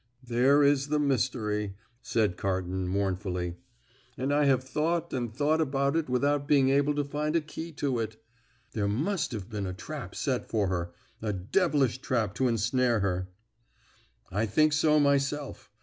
"There is the mystery," said Carton mournfully, "and I have thought and thought about it without being able to find a key to it. There must have been a trap set for her a devilish trap to ensnare her." "I think so myself.